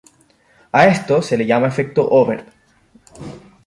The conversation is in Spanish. A esto se le llama efecto Oberth.